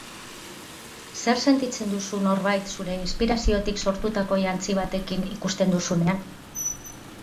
Zer sentitzen duzu norbait zure inspiraziotik sortutako jantzi batekin ikusten duzunean?